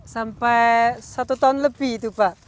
sampai satu tahun lebih itu pak